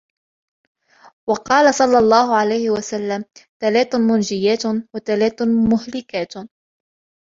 وَقَالَ صَلَّى اللَّهُ عَلَيْهِ وَسَلَّمَ ثَلَاثٌ مُنْجِيَاتٌ ، وَثَلَاثٌ مُهْلِكَاتٌ